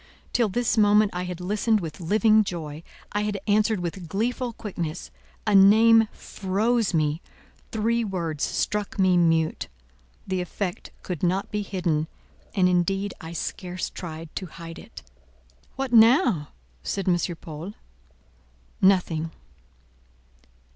Till this moment I had listened with living joy—I had answered with gleeful quickness; a name froze me; three words struck me mute. The effect could not be hidden, and indeed I scarce tried to hide it. "What now?" said M. Paul. "Nothing."